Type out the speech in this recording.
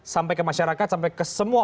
sampai ke masyarakat sampai ke semua